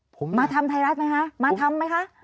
ผมมาทำไทยรัฐไหมคะมาทำไหมคะ